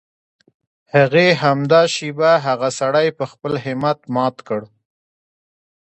هغې همدا شېبه هغه سړی په خپل همت مات کړ.